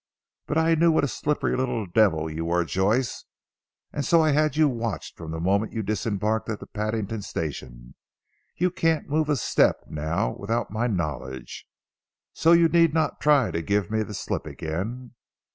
But I knew what a slippery little devil you were Joyce, and so I had you watched from the moment you disembarked at the Paddington station. You can't move a step now without my knowledge. So you need not try to give me the slip again."